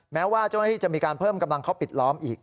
แม้ว่าเจ้าหน้าที่จะมีการเพิ่มกำลังเข้าปิดล้อมอีก